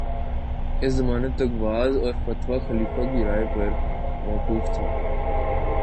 اس زمانے تک وعظ اور فتویٰ خلیفہ کی رائے پر موقوف تھا